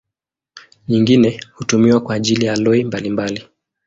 Nyingine hutumiwa kwa ajili ya aloi mbalimbali.